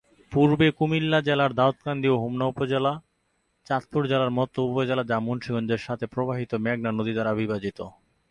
পূর্বে-কুমিল্লা জেলার দাউদকান্দি ও হোমনা উপজেলা, চাঁদপুর জেলার মতলব উপজেলা যা মুন্সিগঞ্জের সাথে প্রবাহিত মেঘনা নদীর দ্বারা বিভাজিত।